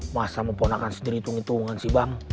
masa mau ponakan sendiri tunggu tungguan sih bang